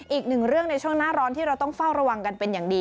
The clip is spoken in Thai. อีกหนึ่งเรื่องในช่วงหน้าร้อนที่เราต้องเฝ้าระวังกันเป็นอย่างดี